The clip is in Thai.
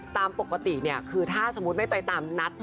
สมมติคือถ้าไม่ไปตามนัด